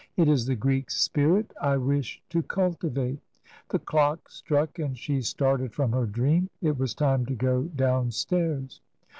It is the Greek spirit I wish to cultivate." The clock struck, and she started from her dream. It was time to go downstairs.